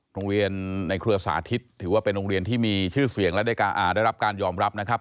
โรงเรียนในเครือสาธิตถือว่าเป็นโรงเรียนที่มีชื่อเสียงและได้รับการยอมรับนะครับ